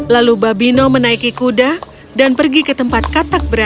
lalu babino menaiki kuda dan pergi ke tempat katak berada